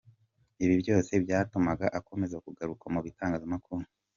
Ibi byose byatumaga akomeza kugaruka mu bitangazamakuru.